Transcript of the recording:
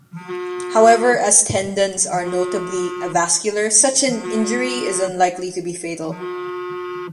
However, as tendons are notably avascular, such an injury is unlikely to be fatal.